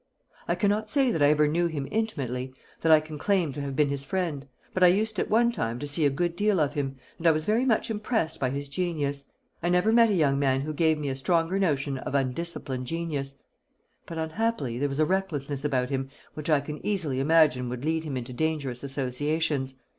"I cannot say that I ever knew him intimately, that I can claim to have been his friend; but I used at one time to see a good deal of him, and I was very much impressed by his genius. I never met a young man who gave me a stronger notion of undisciplined genius; but, unhappily, there was a recklessness about him which I can easily imagine would lead him into dangerous associations.